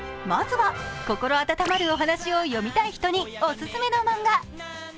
まずは、心温まるお話を読みたい人にお薦めの漫画。